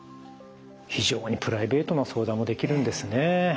非常にプライベートな相談もできるんですね。